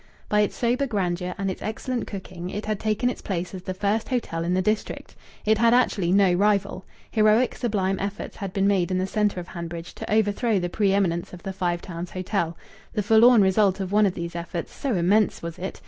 By its sober grandeur and its excellent cooking it had taken its place as the first hotel in the district. It had actually no rival. Heroic, sublime efforts had been made in the centre of Hanbridge to overthrow the pre eminence of the Five Towns Hotel. The forlorn result of one of these efforts so immense was it!